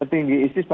tentang isis misalnya